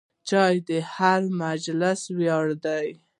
چای د هر مجلس ویاړ دی.